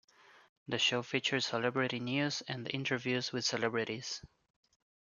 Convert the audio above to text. The show featured celebrity news and interviews with celebrities.